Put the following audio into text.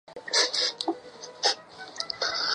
它们的迷鸟也有在新喀里多尼亚出没。